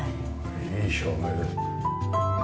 いい照明です。